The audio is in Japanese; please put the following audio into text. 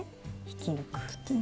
引き抜く。